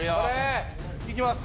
いきます